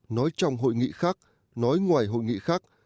nói trong hội nghị khác nói ngoài hội nghị khác